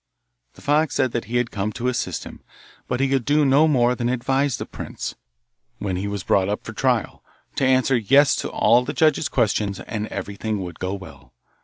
The fox said that he had come to assist him, but he could do no more than advise the prince, when he was brought up for trial, to answer 'yes' to all the judge's questions, and everything would go well.